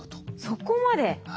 そこまで。